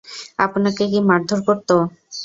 আপনাকে কি মারধর করত?